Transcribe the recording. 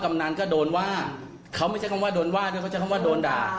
ำนันก็โดนว่าเขาไม่ใช่คำว่าโดนว่าด้วยเขาใช้คำว่าโดนด่า